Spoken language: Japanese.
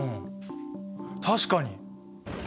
確かに！